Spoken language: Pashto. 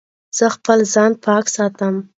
زه خپل ځان پاک ساتم.